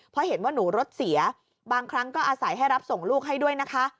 เพราะเห็นว่าหนูรถเสียบางครั้งก็อาศัยให้รับส่งลูกให้ด้วยนะคะ